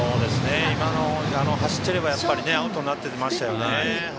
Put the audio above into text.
今のは走ってればアウトになってましたよね。